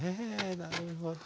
なるほど。